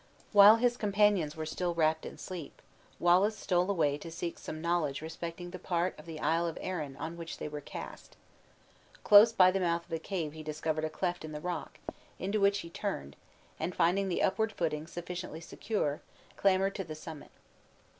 While his companions were still wrapped in sleep, Wallace stole away to seek some knowledge respecting the part of the Isle of Arran on which they were cast. Close by the mouth of the cave he discovered a cleft in the rock, into which he turned, and finding the upward footing sufficiently secure, clambered to the summit.